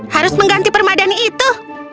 harus mengganti permadani itu